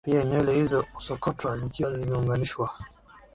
pia nywele hizo husokotwa zikiwa zimeunganishwa